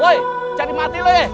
woy jangan dimati lo ya